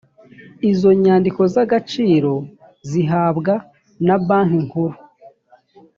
izo nyandiko z’agaciro zihabwa na banki nkuru